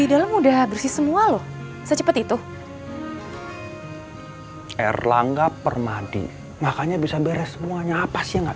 di dalam udah bersih semua loh secepat itu erlangga permadi makanya bisa beres semuanya apa sih enggak